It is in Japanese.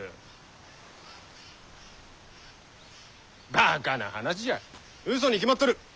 バカな話じゃ嘘に決まっとる。